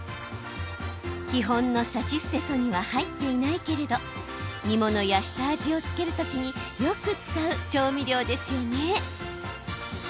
基本の「さしすせそ」には入っていないけれど煮物や下味を付ける時によく使う調味料ですよね。